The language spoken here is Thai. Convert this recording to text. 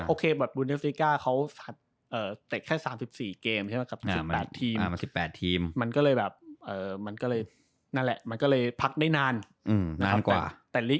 โอเคบาทบุนเดสนิก้าเขาเตะแค่๓๔เกม